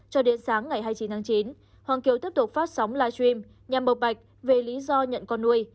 cho đến sáng ngày hai mươi chín tháng chín hoàng kiều tiếp tục phát sóng live stream nhằm bầu bạch về lý do nhận con nuôi